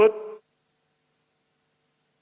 ruu tentang kuhp dan ruu